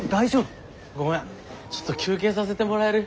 ごめんちょっと休憩させてもらえる？